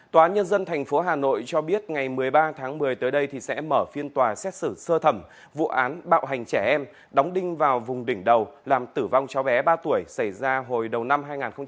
tòa nhân dân tp hà nội cho biết ngày một mươi ba tháng một mươi tới đây sẽ mở phiên tòa xét xử sơ thẩm vụ án bạo hành trẻ em đóng đinh vào vùng đỉnh đầu làm tử vong cháu bé ba tuổi xảy ra hồi đầu năm hai nghìn hai mươi ba